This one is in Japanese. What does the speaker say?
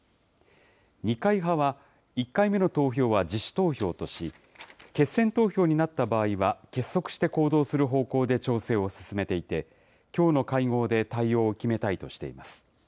二階派は１回目の投票は自主投票とし、決選投票になった場合は、結束して行動する方向で調整を進めていて、きょうの会合で対応を決めたいとしています。